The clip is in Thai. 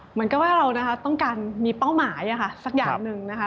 เหมือนกับว่าเรานะคะต้องการมีเป้าหมายสักอย่างหนึ่งนะคะ